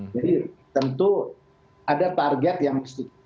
jadi tentu ada target yang